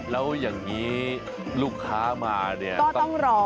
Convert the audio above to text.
แล้วอย่างนี้ลูกค้ามาเนี่ยก็ต้องรอ